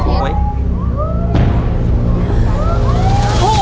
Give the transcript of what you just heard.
ถูกไม่รู้